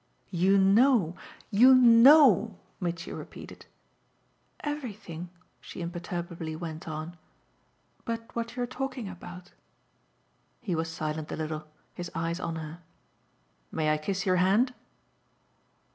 "You know, you know!" Mitchy repeated. "Everything," she imperturbably went on, "but what you're talking about." He was silent a little, his eyes on her. "May I kiss your hand?"